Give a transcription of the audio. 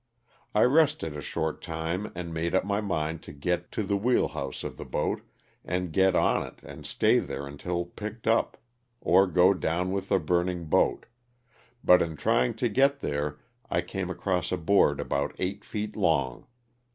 I rested a short time and made up my mind to get to the wheel house of the boat and get on it and stay there until picked up, or go down with the burning boat, but in trying to get there I came across a board about eight feet long.